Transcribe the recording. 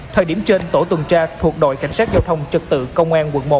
thời điểm trên tổ tuần tra thuộc đội cảnh sát giao thông trật tự công an quận một